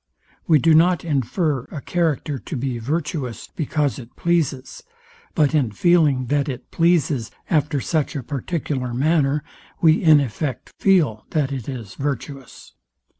We do not infer a character to be virtuous, because it pleases: But in feeling that it pleases after such a particular manner, we in effect feel that it is virtuous.